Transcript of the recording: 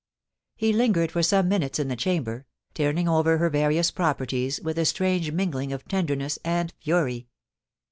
He lingered for some minutes in the chamber, turning over her various properties with a strange mingling of ten derness and fury.